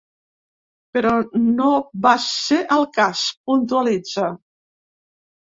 “Però no va ser el cas”, puntualitza.